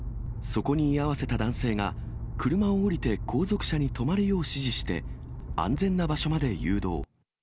そこに居合わせた男性が、車を降りて後続車に止まるよう指示して、安全な場所まで誘導。